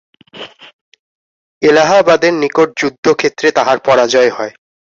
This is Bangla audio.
এলাহাবাদের নিকট যুদ্ধক্ষেত্রে তাঁহার পরাজয় হয়।